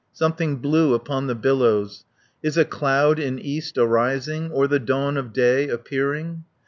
Something blue upon the billows. "Is a cloud in east arising, Or the dawn of day appearing?"